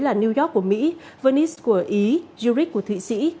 là new york của mỹ venice của ý zurich của thụy sĩ